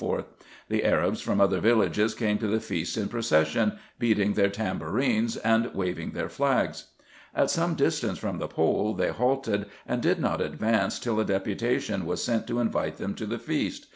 The Arabs from other villages came to the feast in procession, beating their tam bourines, and waving their flags. At some distance from the pole they halted, and did not advance till a deputation was sent to invite them to the feast.